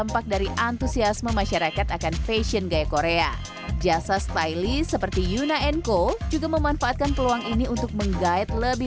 bagaimana situasi ini